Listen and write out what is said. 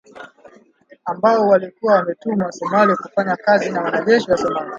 Ambao walikuwa wametumwa Somalia kufanya kazi na wanajeshi wa Somalia.